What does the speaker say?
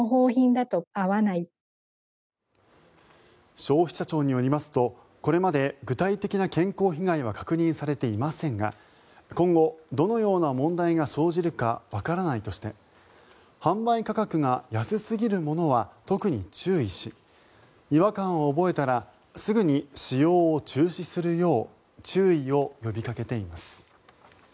消費者庁によりますとこれまで具体的な健康被害は確認されていませんが今後、どのような問題が生じるかわからないとして販売価格が安すぎるものは特に注意し違和感を覚えたらすぐに使用を中止するよう注意を呼びかけています。